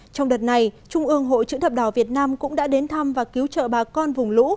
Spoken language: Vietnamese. trong đợt này trung ương hội chữ thập đỏ việt nam cũng đã đến thăm và cứu trợ bà con vùng lũ